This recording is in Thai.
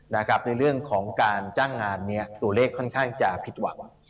ในเรื่องของการจ้างงานนี้ตัวเลขค่อนข้างจะผิดหวัง